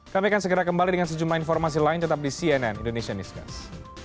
kami akan segera kembali dengan sejumlah informasi lain tetap di cnn indonesia newscast